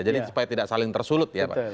jadi supaya tidak saling tersulut ya pak